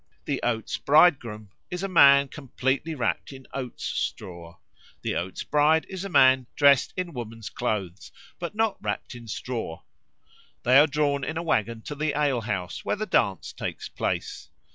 The Oats bridegroom is a man completely wrapt in oats straw; the Oats bride is a man dressed in woman's clothes, but not wrapt in straw. They are drawn in a waggon to the ale house, where the dance takes place.